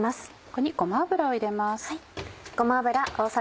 ここにごま油を入れます。